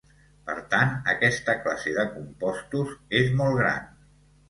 Per tant, aquesta classe de compostos és molt gran.